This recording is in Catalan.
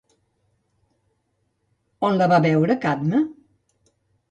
On la va veure Cadme?